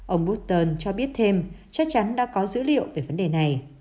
ông buston cho biết thêm chắc chắn đã có dữ liệu về vấn đề này